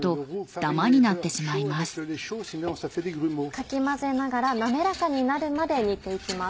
かき混ぜながらなめらかになるまで煮て行きます。